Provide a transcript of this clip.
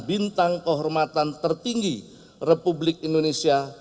bintang kehormatan tertinggi republik indonesia